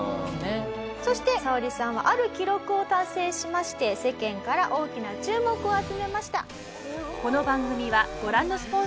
そしてサオリさんはある記録を達成しまして世間から大きな注目を集めました。